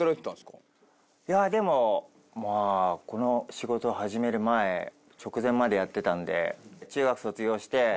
いやでもまあこの仕事始める前直前までやってたんで。